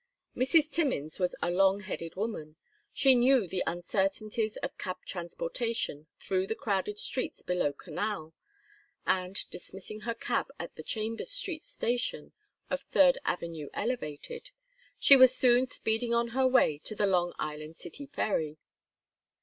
Mrs. Timmins was a long headed woman. She knew the uncertainties of cab transportation through the crowded streets below Canal, and dismissing her cab at the Chambers Street station of the Third Avenue Elevated, she was soon speeding on her way to the Long Island City ferry.